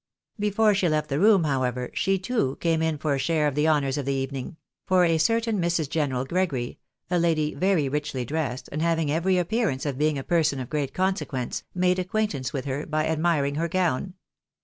Before she left the room, however, she, too, came in for a share of the honours of the evening ; for a certain Sirs. General Gregory, a lady very richly dressed, and having every appearance of being a person of great consequence, made acquaintance with her by admiring her gown.